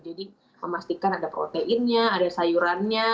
jadi memastikan ada proteinnya ada sayurannya